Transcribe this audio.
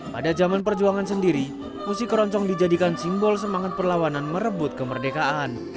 pada zaman perjuangan sendiri musik keroncong dijadikan simbol semangat perlawanan merebut kemerdekaan